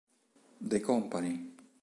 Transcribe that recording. The Company